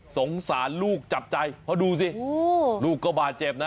สงสารลูกจับใจเพราะดูสิลูกก็บาดเจ็บนะ